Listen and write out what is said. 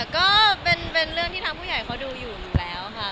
ก็เป็นเรื่องที่ทางผู้ใหญ่เขาดูอยู่อยู่แล้วค่ะ